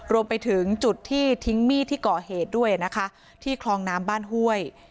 รวมไปถึงจุดที่ทิ้งมีดที่ก่อเหตุด้วยนะคะที่คลองน้ำบ้านห้วย